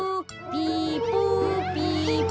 ピポピポ。